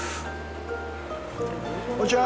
こんにちは！